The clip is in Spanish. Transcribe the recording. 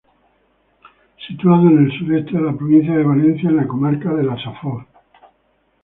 Situado en el sureste de la provincia de Valencia, en la comarca de Safor.